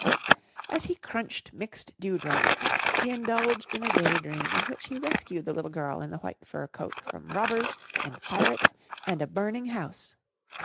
As he crunched Mixed Dew Drops he indulged in a day dream in which he rescued the little girl in the white fur coat from robbers and pirates and a burning house.